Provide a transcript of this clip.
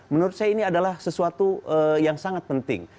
menurut saya ini adalah sesuatu yang sangat penting